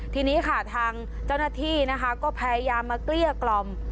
ทีนี้ค่ะทางเจ้าหน้าที่นะคะก็พยายามมาเกลี้ยกล่อม